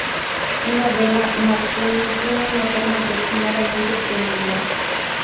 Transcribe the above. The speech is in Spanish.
Una vela marconi tiene una forma aproximadamente triangular.